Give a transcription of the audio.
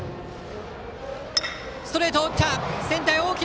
ストレートを打った！